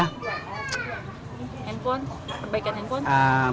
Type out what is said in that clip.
handphone perbaikan handphone